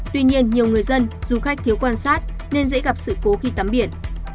tuy nhiên nhiều người dân du khách thiếu quan sát nên dễ gặp sự cố khi tắm biển